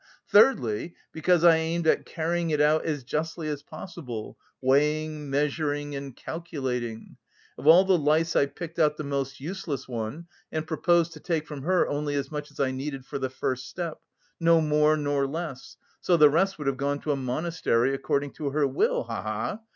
Thirdly, because I aimed at carrying it out as justly as possible, weighing, measuring and calculating. Of all the lice I picked out the most useless one and proposed to take from her only as much as I needed for the first step, no more nor less (so the rest would have gone to a monastery, according to her will, ha ha!).